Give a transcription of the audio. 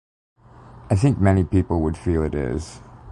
I think many people would feel it is.